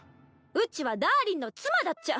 うちはダーリンの妻だっちゃ。